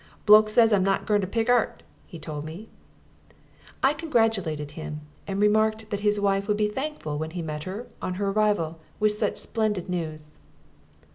"Bloke says I'm not goin' ter peg art," he told me. I congratulated him and remarked that his wife would be thankful when he met her, on her arrival, with such splendid news.